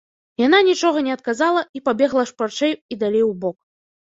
Яна нічога не адказала і пабегла шпарчэй і далей убок.